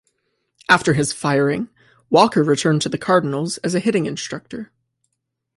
After his firing, Walker returned to the Cardinals as a hitting instructor.